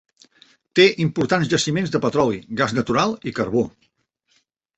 Té importants jaciments de petroli, gas natural i carbó.